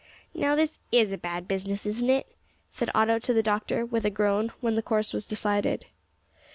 "Now this is a bad business, isn't it?" said Otto to the doctor, with a groan, when the course was decided.